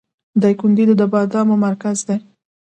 دایکنډي د بادامو مرکز دی